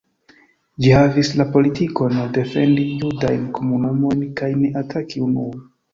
Ĝi havis la politikon nur defendi judajn komunumojn kaj ne ataki unue.